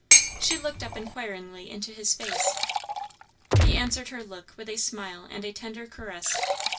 She looked up inquiringly into his face. He answered her look with a smile and a tender caress.